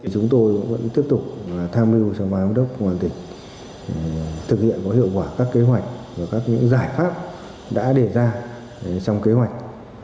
chúng tôi vẫn tiếp tục tham mưu cho công an yên bái thực hiện có hiệu quả các kế hoạch và các giải pháp đã để ra trong kế hoạch